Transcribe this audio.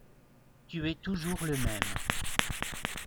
Tu es toujours le même.